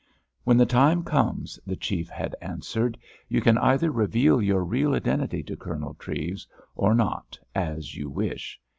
"When the time comes," the Chief had answered, "you can either reveal your real identity to Colonel Treves, or not, as you wish.